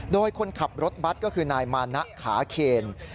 โดยคนขับรถบัตรก็คือนายมานะขาเคน